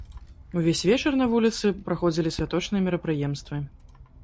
Увесь вечар на вуліцы праходзілі святочныя мерапрыемствы.